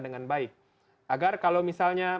dengan baik agar kalau misalnya